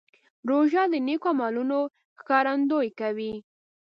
روژه د نیکو عملونو ښکارندویي کوي.